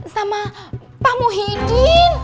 sama pak muhyiddin